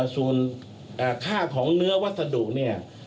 ส่วนค่าของเนื้อวัสดุเนี่ย